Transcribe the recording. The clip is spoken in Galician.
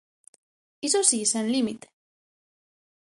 Iso si, sen límite.